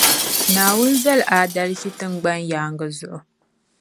Naawuni zali aadalchi tiŋgbani yaaŋa zuɣu.